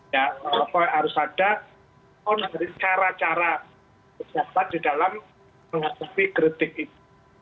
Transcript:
ya harus ada cara cara di dalam menghadapi kritik itu